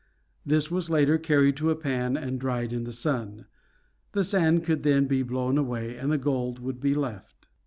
This was later carried to a pan and dried in the sun. The sand could then be blown away, and the gold would be left.